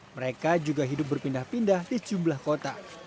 mereka juga hidup berpindah pindah di sejumlah kota